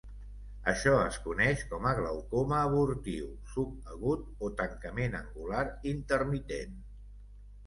Això es coneix com a glaucoma abortiu, subagut o tancament angular intermitent.